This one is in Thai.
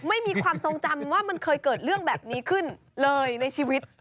ไม่มีความทรงจำว่ามันเคยเกิดเรื่องแบบนี้ขึ้นเลยในชีวิต